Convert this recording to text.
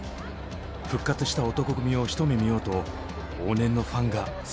復活した男闘呼組をひと目見ようと往年のファンが殺到。